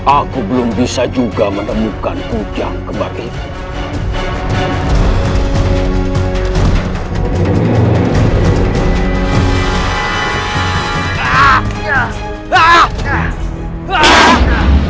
aku belum bisa juga menemukan kujang kemarin